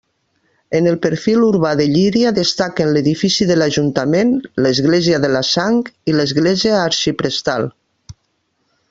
En el perfil urbà de Llíria destaquen l'edifici de l'ajuntament, l'església de la Sang i l'església Arxiprestal.